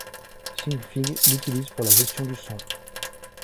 Synfig l'utilise pour la gestion du son.